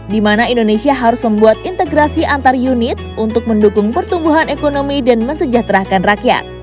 di mana indonesia harus membuat integrasi antar unit untuk mendukung pertumbuhan ekonomi dan mesejahterakan rakyat